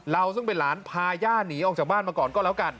ซึ่งเป็นหลานพาย่าหนีออกจากบ้านมาก่อนก็แล้วกัน